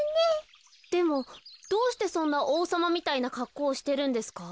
でもどうしてそんなおうさまみたいなかっこうをしてるんですか？